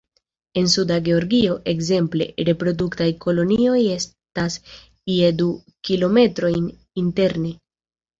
En Suda Georgio, ekzemple, reproduktaj kolonioj estas je du kilometrojn interne.